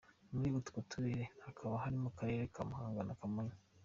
Muri utwo turere hakaba harimo n’Akarere ka Muhanga na Kamonyi.